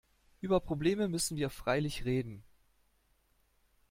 Über Probleme müssen wir freilich reden.